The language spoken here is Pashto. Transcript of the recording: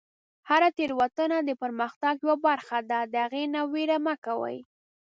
هره تیروتنه د پرمختګ یوه برخه ده، د هغې نه ویره مه کوئ.